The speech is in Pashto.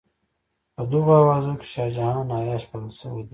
په دغو اوازو کې شاه جهان عیاش بلل شوی دی.